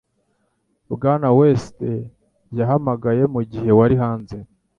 Bwana West yahamagaye mugihe wari hanze.